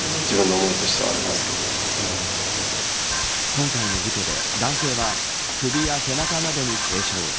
今回の事故で男性は首や背中などに軽傷。